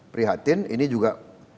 prihatin ini juga